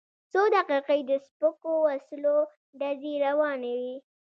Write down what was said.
څو دقیقې د سپکو وسلو ډزې روانې وې.